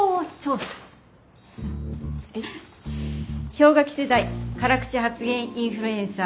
「氷河期世代辛口発言インフルエンサー